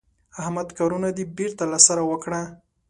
احمده کارونه دې بېرته له سره وکړه.